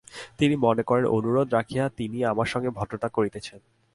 তিনি মনে করেন, অনুরোধ রাখিয়া তিনি আমার সঙ্গে ভদ্রতা করিতেছেন।